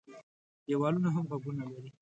ديوالونه هم غوږونه لري.